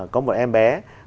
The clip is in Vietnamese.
có một em bé